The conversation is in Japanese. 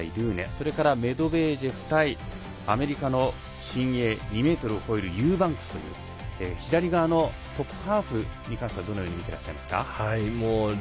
それからメドベージェフ対アメリカの新鋭２ｍを超えるユーバンクスという左側のトップハーフに関してはどうご覧になっていますか？